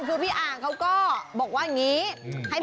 คือพี่อ่างเขาก็บอกว่าอย่างนี้